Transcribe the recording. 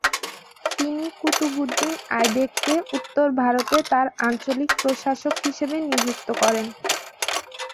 তিনি কুতুবউদ্দিন আইবেককে উত্তর ভারতে তার আঞ্চলিক প্রশাসক হিসেবে নিযুক্ত করেন।